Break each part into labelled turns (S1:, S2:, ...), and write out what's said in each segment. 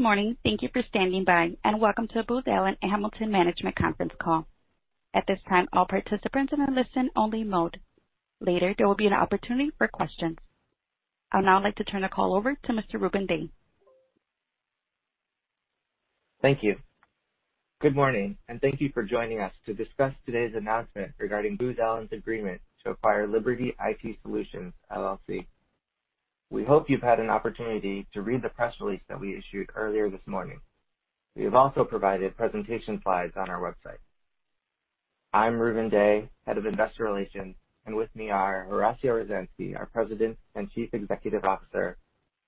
S1: Good morning. Thank you for standing by, and welcome to the Booz Allen Hamilton Management Conference Call. At this time, all participants are in a listen-only mode. Later, there will be an opportunity for questions. I'd now like to turn the call over to Mr. Rubun Dey.
S2: Thank you. Good morning, and thank you for joining us to discuss today's announcement regarding Booz Allen's agreement to acquire Liberty IT Solutions LLC. We hope you've had an opportunity to read the press release that we issued earlier this morning. We have also provided presentation slides on our website. I'm Rubun Dey, Head of Investor Relations, and with me are Horacio Rozanski, our President and Chief Executive Officer,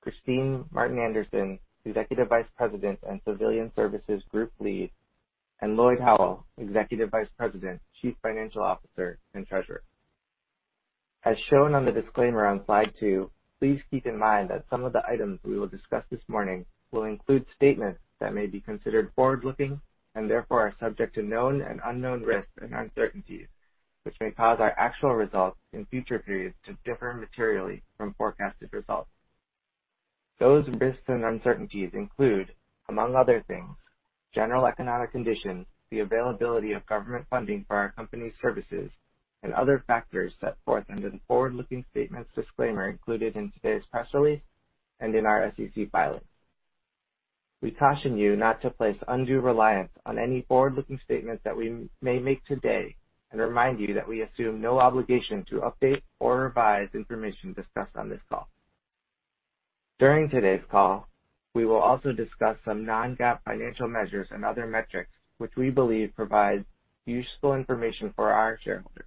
S2: Kristine Martin Anderson, Executive Vice President and Civilian Services Group Lead, and Lloyd Howell, Executive Vice President, Chief Financial Officer, and Treasurer. As shown on the disclaimer on slide two, please keep in mind that some of the items we will discuss this morning will include statements that may be considered forward-looking and therefore are subject to known and unknown risks and uncertainties, which may cause our actual results in future periods to differ materially from forecasted results. Those risks and uncertainties include, among other things, general economic conditions, the availability of government funding for our company's services, and other factors set forth under the forward-looking statements disclaimer included in today's press release and in our SEC filings. We caution you not to place undue reliance on any forward-looking statements that we may make today and remind you that we assume no obligation to update or revise information discussed on this call. During today's call, we will also discuss some non-GAAP financial measures and other metrics which we believe provide useful information for our shareholders.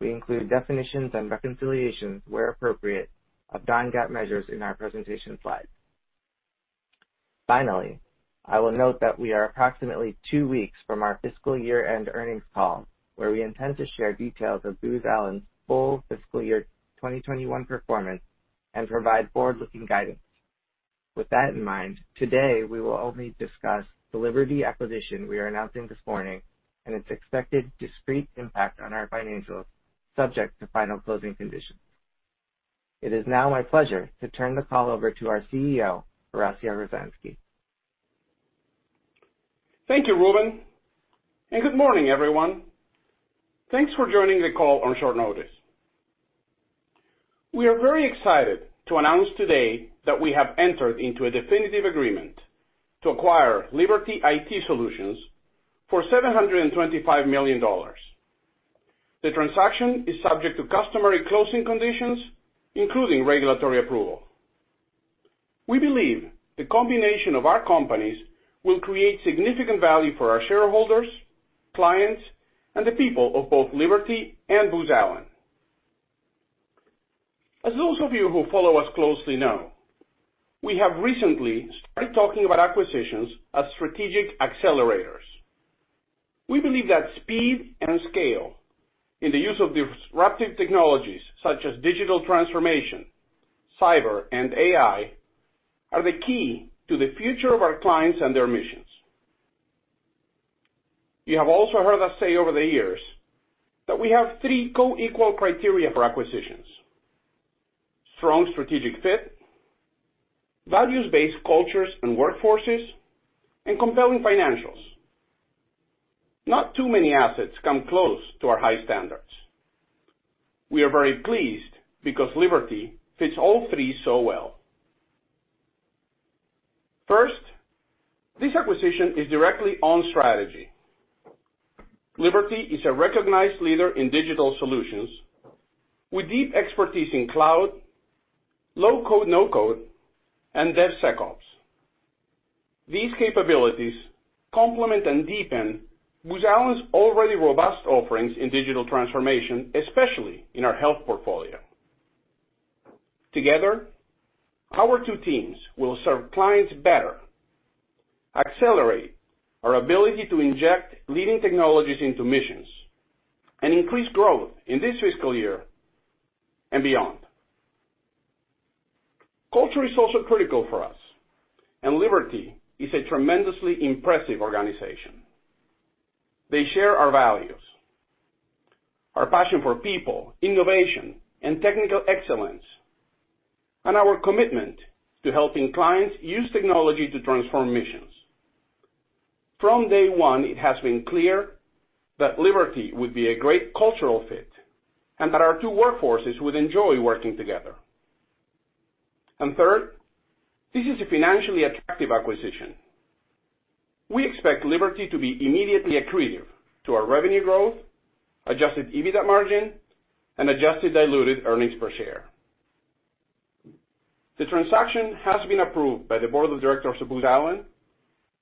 S2: We include definitions and reconciliations, where appropriate, of non-GAAP measures in our presentation slides. Finally, I will note that we are approximately two weeks from our fiscal year-end earnings call, where we intend to share details of Booz Allen's full fiscal year 2021 performance and provide forward-looking guidance. With that in mind, today we will only discuss the Liberty acquisition we are announcing this morning and its expected discrete impact on our financials, subject to final closing conditions. It is now my pleasure to turn the call over to our CEO, Horacio Rozanski.
S3: Thank you, Rubun, and good morning, everyone. Thanks for joining the call on short notice. We are very excited to announce today that we have entered into a definitive agreement to acquire Liberty IT Solutions for $725 million. The transaction is subject to customary closing conditions, including regulatory approval. We believe the combination of our companies will create significant value for our shareholders, clients, and the people of both Liberty and Booz Allen. As those of you who follow us closely know, we have recently started talking about acquisitions as strategic accelerators. We believe that speed and scale in the use of disruptive technologies such as digital transformation, cyber, and AI are the key to the future of our clients and their missions. You have also heard us say over the years that we have three co-equal criteria for acquisitions: strong strategic fit, values-based cultures and workforces, and compelling financials. Not too many assets come close to our high standards. We are very pleased because Liberty fits all three so well. First, this acquisition is directly on strategy. Liberty is a recognized leader in digital solutions with deep expertise in cloud, low-code, no-code, and DevSecOps. These capabilities complement and deepen Booz Allen's already robust offerings in digital transformation, especially in our health portfolio. Together, our two teams will serve clients better, accelerate our ability to inject leading technologies into missions, and increase growth in this fiscal year and beyond. Culture is also critical for us, and Liberty is a tremendously impressive organization. They share our values, our passion for people, innovation, and technical excellence, and our commitment to helping clients use technology to transform missions. From day one, it has been clear that Liberty would be a great cultural fit and that our two workforces would enjoy working together. And third, this is a financially attractive acquisition. We expect Liberty to be immediately accretive to our revenue growth, Adjusted EBITDA margin, and Adjusted Diluted Earnings Per Share. The transaction has been approved by the Board of Directors of Booz Allen,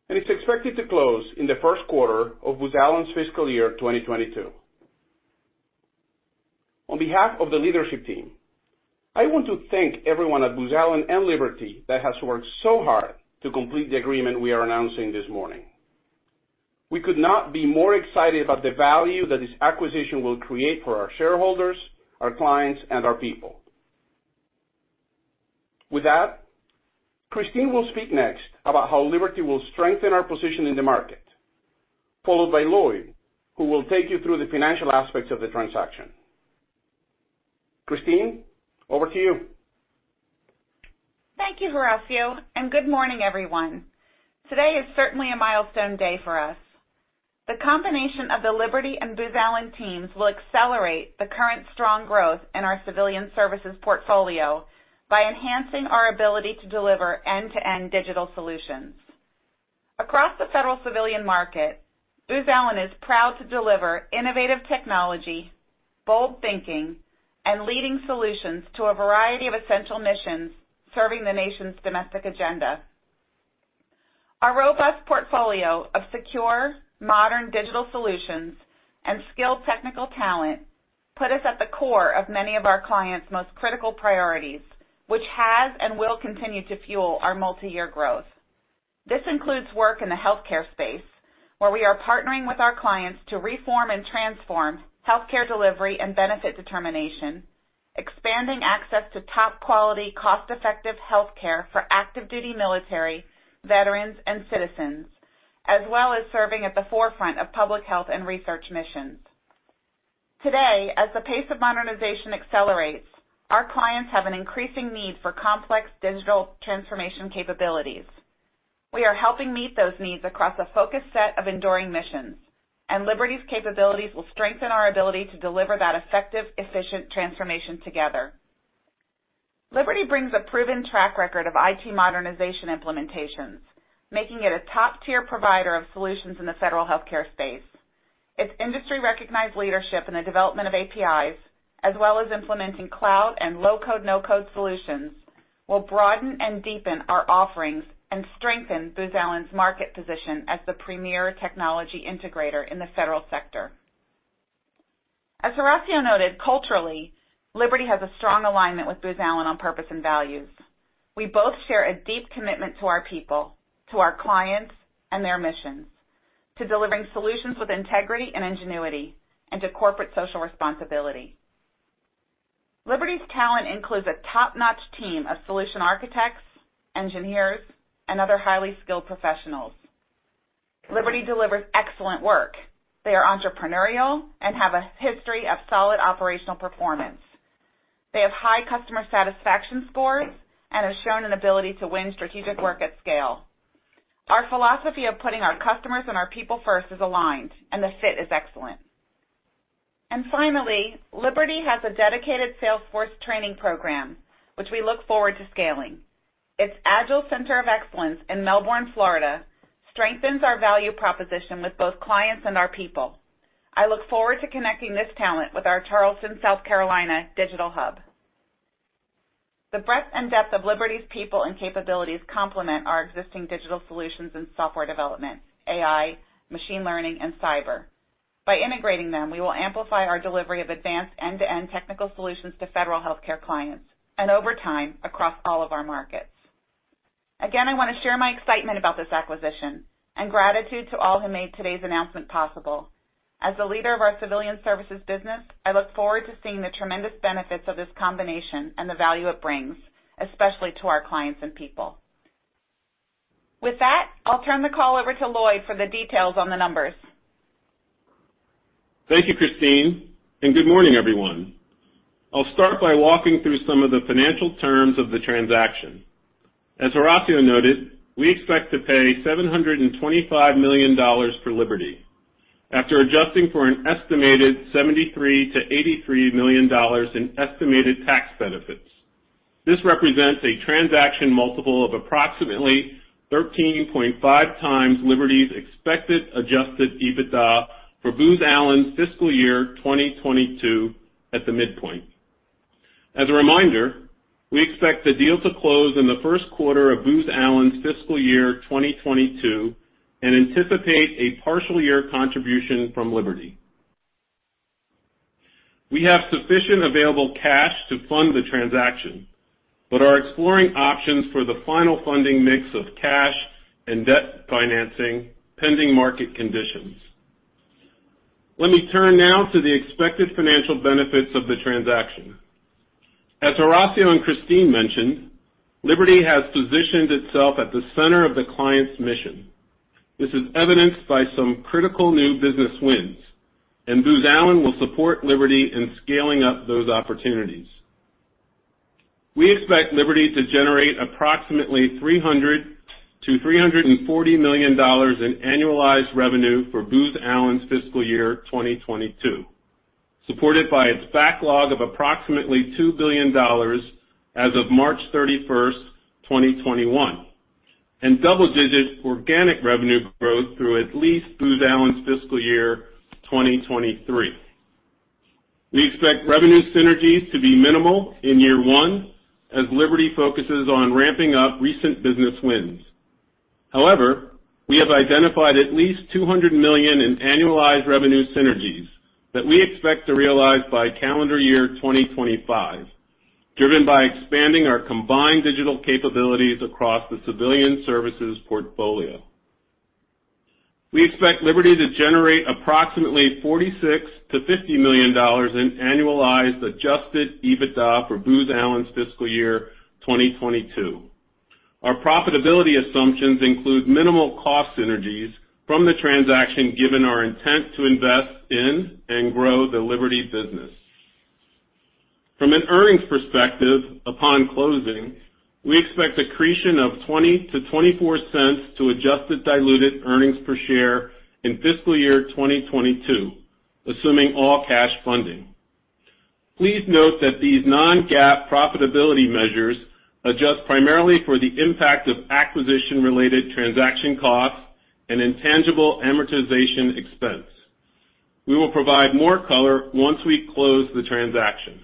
S3: and it's expected to close in the first quarter of Booz Allen's fiscal year 2022. On behalf of the leadership team, I want to thank everyone at Booz Allen and Liberty that has worked so hard to complete the agreement we are announcing this morning. We could not be more excited about the value that this acquisition will create for our shareholders, our clients, and our people. With that, Kristine will speak next about how Liberty will strengthen our position in the market, followed by Lloyd, who will take you through the financial aspects of the transaction. Kristine, over to you.
S4: Thank you, Horacio, and good morning, everyone. Today is certainly a milestone day for us. The combination of the Liberty and Booz Allen teams will accelerate the current strong growth in our civilian services portfolio by enhancing our ability to deliver end-to-end digital solutions. Across the federal civilian market, Booz Allen is proud to deliver innovative technology, bold thinking, and leading solutions to a variety of essential missions serving the nation's domestic agenda. Our robust portfolio of secure, modern digital solutions and skilled technical talent put us at the core of many of our clients' most critical priorities, which has and will continue to fuel our multi-year growth. This includes work in the healthcare space, where we are partnering with our clients to reform and transform healthcare delivery and benefit determination, expanding access to top-quality, cost-effective healthcare for active-duty military, veterans, and citizens, as well as serving at the forefront of public health and research missions. Today, as the pace of modernization accelerates, our clients have an increasing need for complex digital transformation capabilities. We are helping meet those needs across a focused set of enduring missions, and Liberty's capabilities will strengthen our ability to deliver that effective, efficient transformation together. Liberty brings a proven track record of IT modernization implementations, making it a top-tier provider of solutions in the federal healthcare space. Its industry-recognized leadership in the development of APIs, as well as implementing cloud and low-code, no-code solutions, will broaden and deepen our offerings and strengthen Booz Allen's market position as the premier technology integrator in the federal sector. As Horacio noted, culturally, Liberty has a strong alignment with Booz Allen on purpose and values. We both share a deep commitment to our people, to our clients, and their missions, to delivering solutions with integrity and ingenuity, and to corporate social responsibility. Liberty's talent includes a top-notch team of solution architects, engineers, and other highly skilled professionals. Liberty delivers excellent work. They are entrepreneurial and have a history of solid operational performance. They have high customer satisfaction scores and have shown an ability to win strategic work at scale. Our philosophy of putting our customers and our people first is aligned, and the fit is excellent. And finally, Liberty has a dedicated Salesforce training program, which we look forward to scaling. Its Agile Center of Excellence in Melbourne, Florida, strengthens our value proposition with both clients and our people. I look forward to connecting this talent with our Charleston, South Carolina, digital hub. The breadth and depth of Liberty's people and capabilities complement our existing digital solutions and software development, AI, machine learning, and cyber. By integrating them, we will amplify our delivery of advanced end-to-end technical solutions to federal healthcare clients and over time across all of our markets. Again, I want to share my excitement about this acquisition and gratitude to all who made today's announcement possible. As the leader of our civilian services business, I look forward to seeing the tremendous benefits of this combination and the value it brings, especially to our clients and people. With that, I'll turn the call over to Lloyd for the details on the numbers.
S5: Thank you, Kristine, and good morning, everyone. I'll start by walking through some of the financial terms of the transaction. As Horacio noted, we expect to pay $725 million for Liberty after adjusting for an estimated $73 million-$83 million in estimated tax benefits. This represents a transaction multiple of approximately 13.5x Liberty's expected Adjusted EBITDA for Booz Allen's fiscal year 2022 at the midpoint. As a reminder, we expect the deal to close in the first quarter of Booz Allen's fiscal year 2022 and anticipate a partial year contribution from Liberty. We have sufficient available cash to fund the transaction, but are exploring options for the final funding mix of cash and debt financing pending market conditions. Let me turn now to the expected financial benefits of the transaction. As Horacio and Kristine mentioned, Liberty has positioned itself at the center of the client's mission. This is evidenced by some critical new business wins, and Booz Allen will support Liberty in scaling up those opportunities. We expect Liberty to generate approximately $300 million-$340 million in annualized revenue for Booz Allen's fiscal year 2022, supported by its backlog of approximately $2 billion as of March 31st, 2021, and double-digit organic revenue growth through at least Booz Allen's fiscal year 2023. We expect revenue synergies to be minimal in year one as Liberty focuses on ramping up recent business wins. However, we have identified at least $200 million in annualized revenue synergies that we expect to realize by calendar year 2025, driven by expanding our combined digital capabilities across the civilian services portfolio. We expect Liberty to generate approximately $46 million-$50 million in annualized Adjusted EBITDA for Booz Allen's fiscal year 2022. Our profitability assumptions include minimal cost synergies from the transaction given our intent to invest in and grow the Liberty business. From an earnings perspective, upon closing, we expect a creation of $0.20-$0.24 to adjusted diluted earnings per share in fiscal year 2022, assuming all cash funding. Please note that these non-GAAP profitability measures adjust primarily for the impact of acquisition-related transaction costs and intangible amortization expense. We will provide more color once we close the transaction.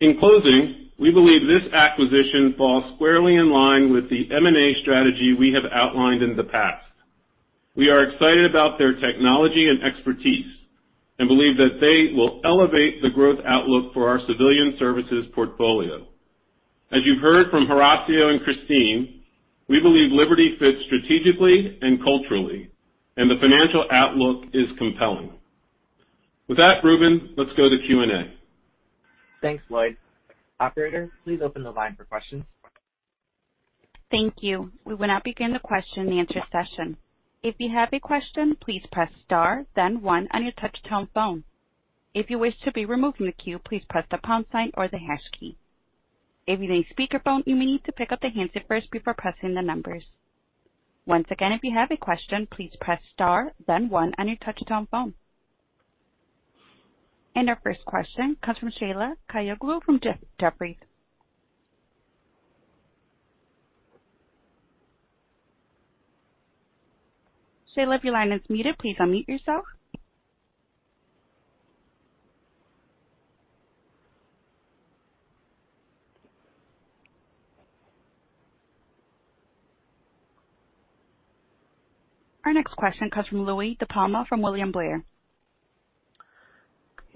S5: In closing, we believe this acquisition falls squarely in line with the M&A strategy we have outlined in the past. We are excited about their technology and expertise and believe that they will elevate the growth outlook for our civilian services portfolio. As you've heard from Horacio and Kristine, we believe Liberty fits strategically and culturally, and the financial outlook is compelling. With that, Rubun, let's go to Q&A.
S2: Thanks, Lloyd. Operator, please open the line for questions.
S1: Thank you. We will now begin the question-and-answer session. If you have a question, please press star, then one on your touch-tone phone. If you wish to be removed from the queue, please press the pound sign or the hash key. If you need speakerphone, you may need to pick up the handset first before pressing the numbers. Once again, if you have a question, please press star, then one on your touch-tone phone. And our first question comes from Sheila Kahyaoglu from Jefferies. Sheila, if your line is muted, please unmute yourself. Our next question comes from Louie DiPalma from William Blair.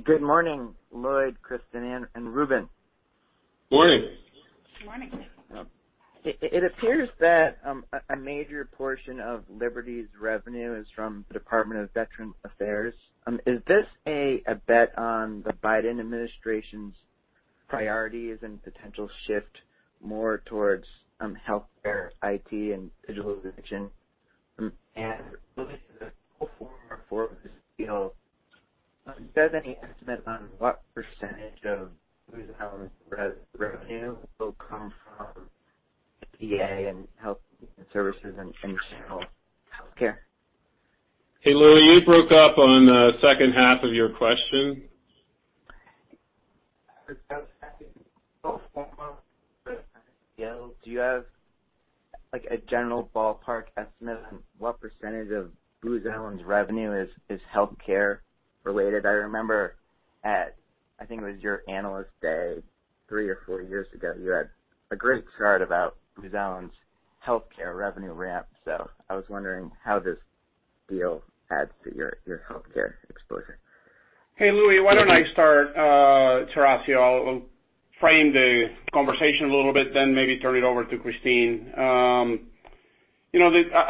S6: Good morning, Lloyd, Kristine, and Rubun.
S3: Good morning.
S4: Good morning.
S6: It appears that a major portion of Liberty's revenue is from the Department of Veterans Affairs. Is this a bet on the Biden administration's priorities and potential shift more towards healthcare IT and digital adoption? And Lloyd, the full form of this deal, do you have any estimate on what percentage of Booz Allen's revenue will come from the VA and health services and general healthcare?
S3: Hey, Louie, you broke up on the second half of your question.
S6: Do you have a general ballpark estimate on what percentage of Booz Allen's revenue is healthcare-related? I remember at, I think it was your Analyst Day, three or four years ago, you had a great chart about Booz Allen's healthcare revenue ramp. So I was wondering how this deal adds to your healthcare exposure.
S3: Hey, Louie. Why don't I start, Horacio? I'll frame the conversation a little bit, then maybe turn it over to Kristine. At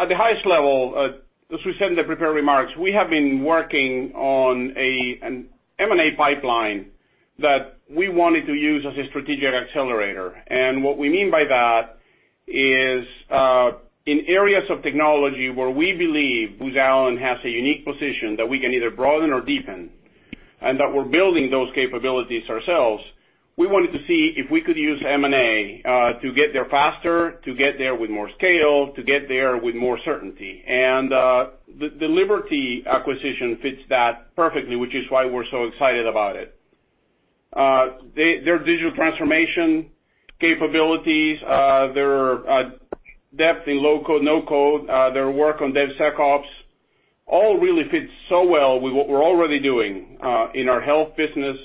S3: the highest level, as we said in the prepared remarks, we have been working on an M&A pipeline that we wanted to use as a strategic accelerator. And what we mean by that is in areas of technology where we believe Booz Allen has a unique position that we can either broaden or deepen, and that we're building those capabilities ourselves. We wanted to see if we could use M&A to get there faster, to get there with more scale, to get there with more certainty. And the Liberty acquisition fits that perfectly, which is why we're so excited about it. Their digital transformation capabilities, their depth in low-code/no-code, their work on DevSecOps, all really fit so well with what we're already doing in our health business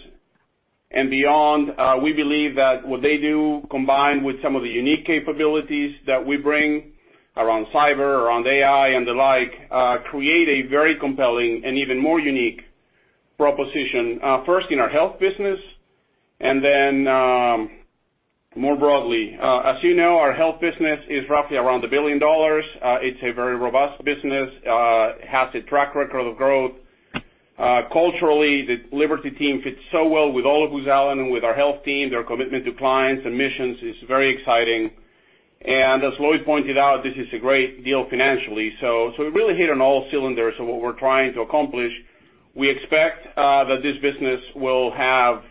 S3: and beyond. We believe that what they do, combined with some of the unique capabilities that we bring around cyber, around AI, and the like, create a very compelling and even more unique proposition, first in our health business and then more broadly. As you know, our health business is roughly around $1 billion. It's a very robust business. It has a track record of growth. Culturally, the Liberty team fits so well with all of Booz Allen and with our health team. Their commitment to clients and missions is very exciting. And as Lloyd pointed out, this is a great deal financially. So we really hit on all cylinders of what we're trying to accomplish. We expect that this business will have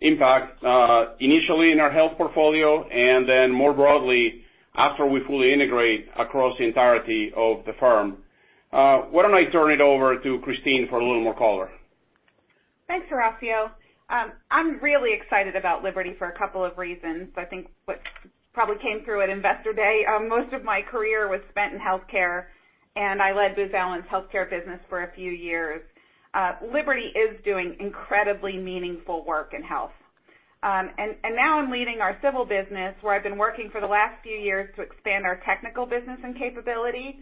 S3: impact initially in our health portfolio and then more broadly after we fully integrate across the entirety of the firm. Why don't I turn it over to Kristine for a little more color?
S4: Thanks, Horacio. I'm really excited about Liberty for a couple of reasons. I think what probably came through at Investor Day, most of my career was spent in healthcare, and I led Booz Allen's healthcare business for a few years. Liberty is doing incredibly meaningful work in health, and now I'm leading our civil business, where I've been working for the last few years to expand our technical business and capability.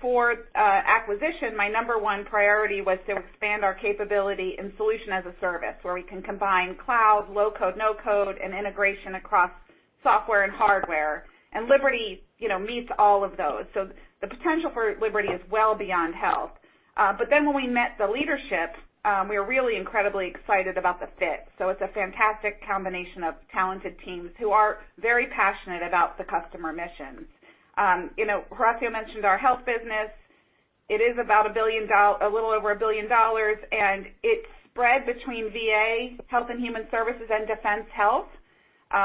S4: For acquisition, my number one priority was to expand our capability in solution as a service, where we can combine cloud, low-code, no-code, and integration across software and hardware. Liberty meets all of those. The potential for Liberty is well beyond health, but then when we met the leadership, we were really incredibly excited about the fit. It's a fantastic combination of talented teams who are very passionate about the customer mission. Horacio mentioned our health business. It is about a little over $1 billion, and it's spread between VA, Health and Human Services, and Defense Health.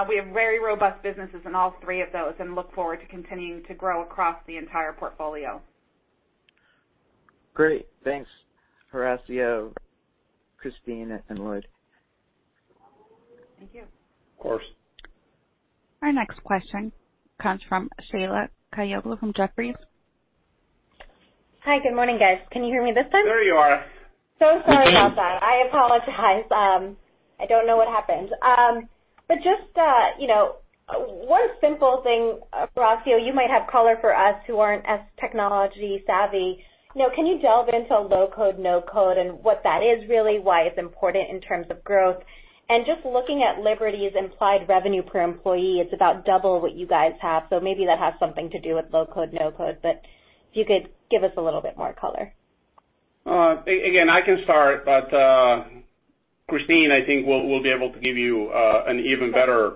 S4: We have very robust businesses in all three of those and look forward to continuing to grow across the entire portfolio.
S6: Great. Thanks, Horacio, Kristine, and Lloyd.
S4: Thank you.
S3: Of course.
S1: Our next question comes from Sheila Kahyaoglu from Jefferies.
S7: Hi, good morning, guys. Can you hear me this time?
S3: There you are.
S7: So sorry about that. I apologize. I don't know what happened. But just one simple thing, Horacio, you might have color for us who aren't as technology-savvy. Can you delve into low-code, no-code, and what that is really, why it's important in terms of growth? And just looking at Liberty's implied revenue per employee, it's about double what you guys have. So maybe that has something to do with low-code, no-code. But if you could give us a little bit more color.
S3: Again, I can start, but Kristine, I think we'll be able to give you an even better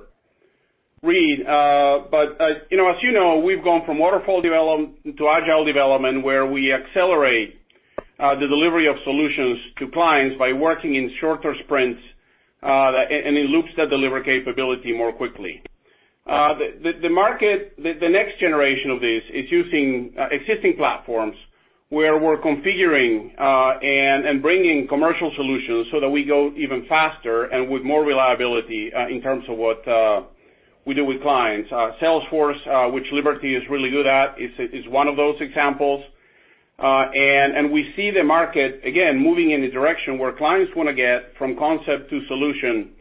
S3: read. But as you know, we've gone from waterfall development to agile development, where we accelerate the delivery of solutions to clients by working in shorter sprints and in loops that deliver capability more quickly. The next generation of this is using existing platforms where we're configuring and bringing commercial solutions so that we go even faster and with more reliability in terms of what we do with clients. Salesforce, which Liberty is really good at, is one of those examples. And we see the market, again, moving in a direction where clients want to get from concept to solution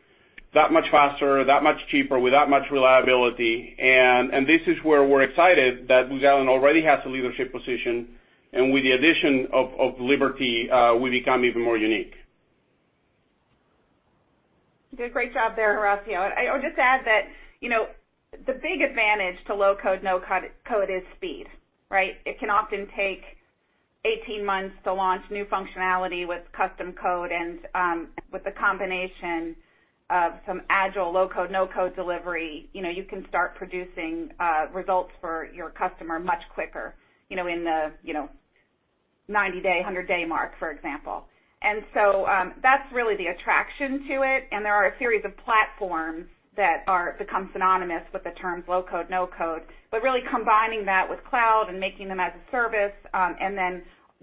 S3: that much faster, that much cheaper, with that much reliability. And this is where we're excited that Booz Allen already has a leadership position. With the addition of Liberty, we become even more unique.
S4: You did a great job there, Horacio. I'll just add that the big advantage to low-code, no-code is speed, right? It can often take 18 months to launch new functionality with custom code, and with the combination of some agile low-code, no-code delivery, you can start producing results for your customer much quicker in the 90-day, 100-day mark, for example, and so that's really the attraction to it. And there are a series of platforms that become synonymous with the terms low-code, no-code, but really combining that with cloud and making them as a service, and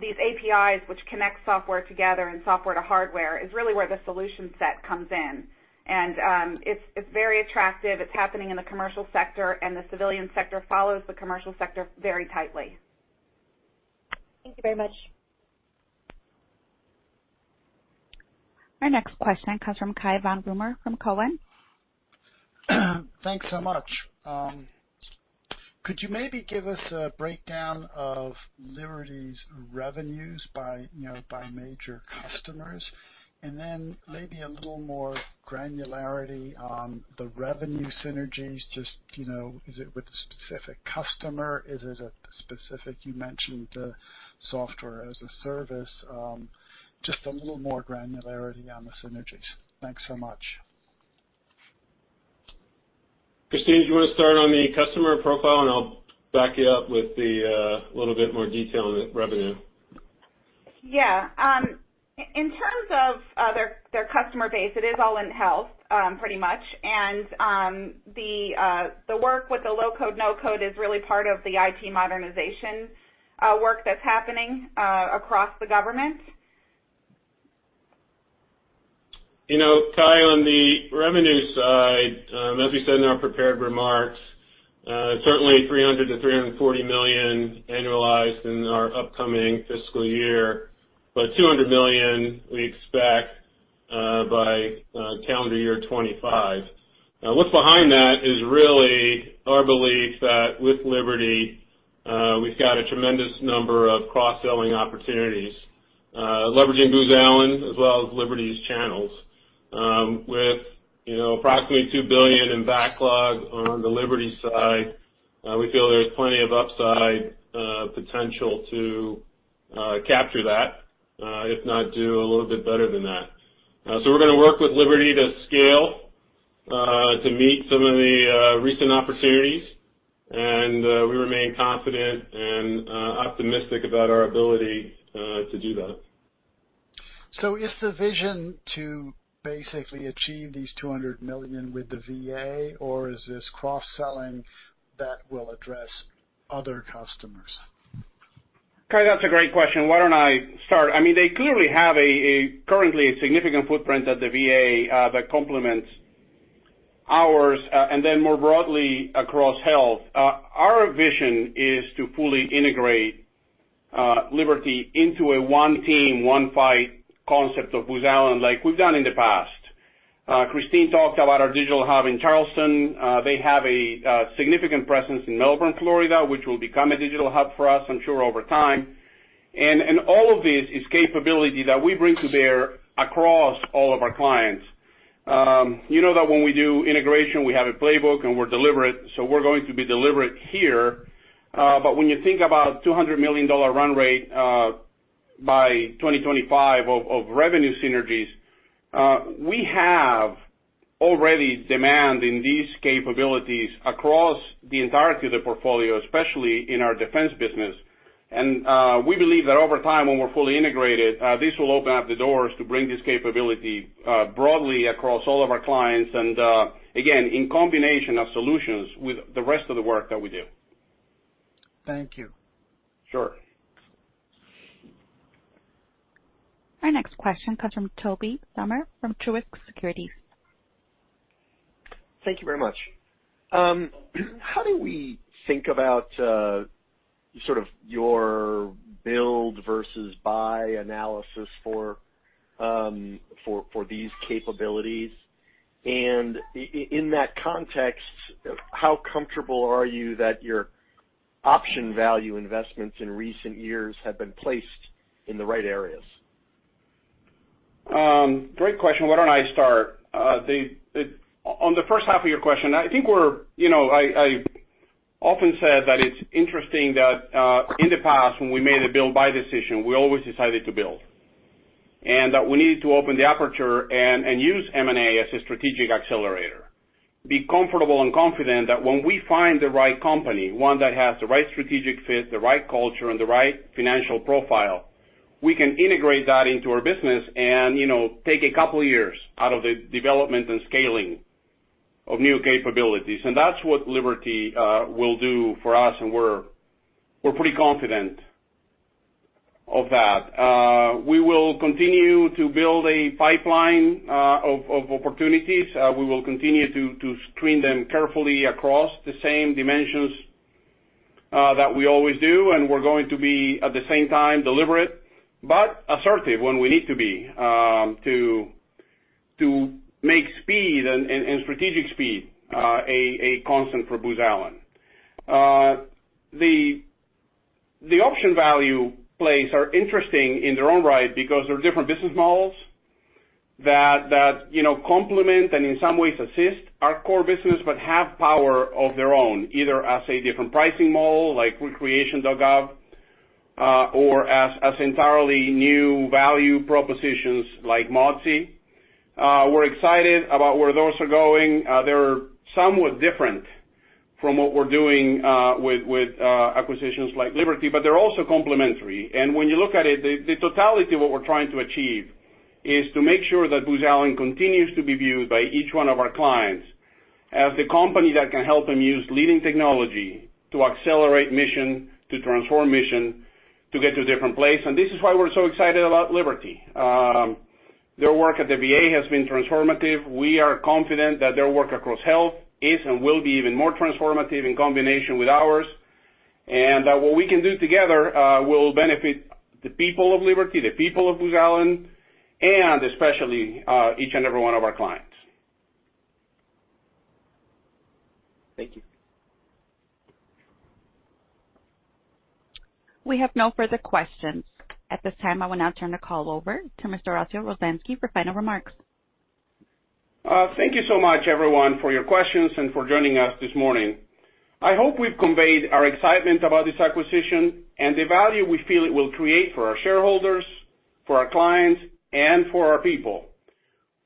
S4: then these APIs, which connect software together and software to hardware, is really where the solution set comes in, and it's very attractive. It's happening in the commercial sector, and the civilian sector follows the commercial sector very tightly.
S7: Thank you very much.
S1: Our next question comes from Cai von Rumohr from Cowen.
S8: Thanks so much. Could you maybe give us a breakdown of Liberty's revenues by major customers? And then maybe a little more granularity on the revenue synergies, just, is it with a specific customer? Is it a specific? You mentioned software as a service. Just a little more granularity on the synergies. Thanks so much.
S3: Kristine, do you want to start on the customer profile, and I'll back you up with a little bit more detail on the revenue?
S4: Yeah. In terms of their customer base, it is all in health, pretty much. And the work with the low-code, no-code is really part of the IT modernization work that's happening across the government.
S3: Cai, on the revenue side, as we said in our prepared remarks, certainly $300 million-$340 million annualized in our upcoming fiscal year, but $200 million we expect by calendar year 2025. What's behind that is really our belief that with Liberty, we've got a tremendous number of cross-selling opportunities, leveraging Booz Allen as well as Liberty's channels. With approximately $2 billion in backlog on the Liberty side, we feel there's plenty of upside potential to capture that, if not do a little bit better than that. So we're going to work with Liberty to scale, to meet some of the recent opportunities. And we remain confident and optimistic about our ability to do that.
S8: So is the vision to basically achieve these $200 million with the VA, or is this cross-selling that will address other customers?
S3: Cai, that's a great question. Why don't I start? I mean, they clearly have currently a significant footprint at the VA that complements ours, and then more broadly across health. Our vision is to fully integrate Liberty into a one-team, one-fight concept of Booz Allen, like we've done in the past. Kristine talked about our digital hub in Charleston. They have a significant presence in Melbourne, Florida, which will become a digital hub for us, I'm sure, over time, and all of this is capability that we bring to bear across all of our clients. You know that when we do integration, we have a playbook, and we're deliberate, so we're going to be deliberate here, but when you think about the $200 million run rate by 2025 of revenue synergies, we have already demand in these capabilities across the entirety of the portfolio, especially in our defense business. We believe that over time, when we're fully integrated, this will open up the doors to bring this capability broadly across all of our clients and, again, in combination of solutions with the rest of the work that we do.
S8: Thank you.
S3: Sure.
S1: Our next question comes from Toby Sommer from Truist Securities.
S9: Thank you very much. How do we think about sort of your build versus buy analysis for these capabilities? And in that context, how comfortable are you that your option value investments in recent years have been placed in the right areas?
S3: Great question. Why don't I start? On the first half of your question, I think I often said that it's interesting that in the past, when we made a build-buy decision, we always decided to build. And that we needed to open the aperture and use M&A as a strategic accelerator. Be comfortable and confident that when we find the right company, one that has the right strategic fit, the right culture, and the right financial profile, we can integrate that into our business and take a couple of years out of the development and scaling of new capabilities. And that's what Liberty will do for us, and we're pretty confident of that. We will continue to build a pipeline of opportunities. We will continue to screen them carefully across the same dimensions that we always do. And we're going to be, at the same time, deliberate but assertive when we need to be to make speed and strategic speed a constant for Booz Allen. The option value plays are interesting in their own right because there are different business models that complement and, in some ways, assist our core business but have power of their own, either as a different pricing model like Recreation.gov or as entirely new value propositions like Modzy. We're excited about where those are going. They're somewhat different from what we're doing with acquisitions like Liberty, but they're also complementary. And when you look at it, the totality of what we're trying to achieve is to make sure that Booz Allen continues to be viewed by each one of our clients as the company that can help them use leading technology to accelerate mission, to transform mission, to get to a different place. And this is why we're so excited about Liberty. Their work at the VA has been transformative. We are confident that their work across health is and will be even more transformative in combination with ours. And that what we can do together will benefit the people of Liberty, the people of Booz Allen, and especially each and every one of our clients. Thank you.
S1: We have no further questions. At this time, I will now turn the call over to Mr. Horacio Rozanski for final remarks.
S3: Thank you so much, everyone, for your questions and for joining us this morning. I hope we've conveyed our excitement about this acquisition and the value we feel it will create for our shareholders, for our clients, and for our people.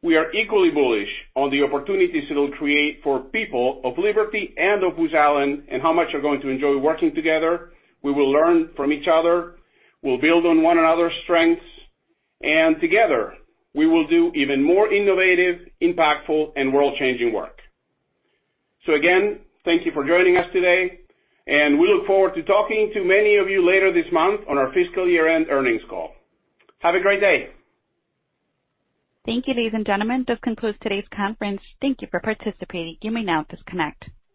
S3: We are equally bullish on the opportunities it will create for people of Liberty and of Booz Allen and how much they're going to enjoy working together. We will learn from each other. We'll build on one another's strengths. And together, we will do even more innovative, impactful, and world-changing work. So again, thank you for joining us today. And we look forward to talking to many of you later this month on our fiscal year-end earnings call. Have a great day.
S1: Thank you, ladies and gentlemen. This concludes today's conference. Thank you for participating. You may now disconnect.